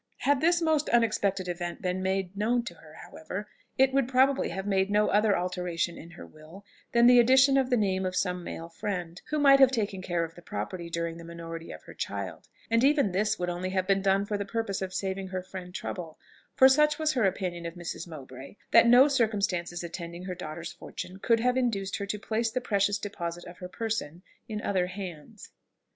Had this most unexpected event been made known to her, however, it would probably have made no other alteration in her will than the addition of the name of some male friend, who might have taken care of the property during the minority of her child: and even this would only have been done for the purpose of saving her friend trouble; for such was her opinion of Mrs. Mowbray, that no circumstances attending her daughter's fortune could have induced her to place the precious deposit of her person in other hands.